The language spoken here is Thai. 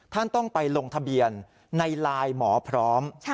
ท่านต้องไปลงทะเบียนในไลน์หมอพร้อม